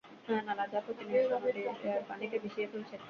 আমিও না হয় ট্রাক-ফ্রাক চালাবো।